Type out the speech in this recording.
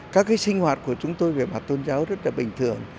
các cái sinh hoạt của chúng tôi về mặt tôn giáo rất là bình thường